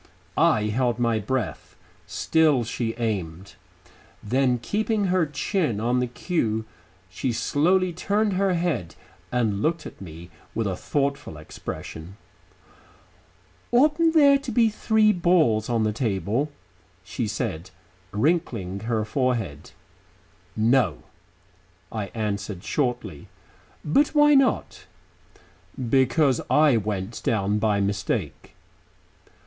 I held my breath.... Still she aimed.... Then keeping her chin on the cue, she slowly turned her head and looked up at me with a thoughtful expression. "Oughtn't there to be three balls on the table?" she said, wrinkling her forehead. "No," I answered shortly. "But why not?" "Because I went down by mistake."